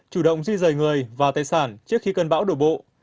chủ động duy dời người và tài sản trước khi cơn bão đổ bộ